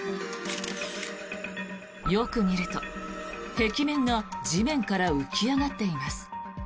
よく見ると壁面が地面から浮き上がっています。